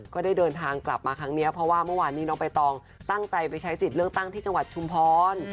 ก็ได้เดินทางกลับมาครั้งนี้เพราะว่าเมื่อวานนี้น้องใบตองตั้งใจไปใช้สิทธิ์เลือกตั้งที่จังหวัดชุมพร